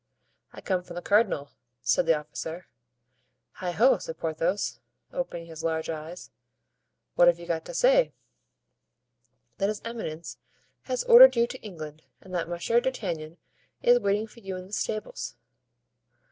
"I come from the cardinal," said the officer. "Heigho!" said Porthos, opening his large eyes; "what have you got to say?" "That his eminence has ordered you to England and that Monsieur d'Artagnan is waiting for you in the stables."